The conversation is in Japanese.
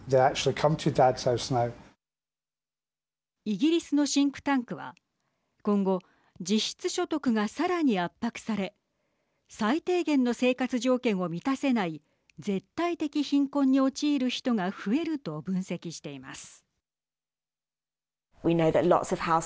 イギリスのシンクタンクは今後、実質所得がさらに圧迫され最低限の生活条件を満たせない絶対的貧困に陥る人が増えると分析しています。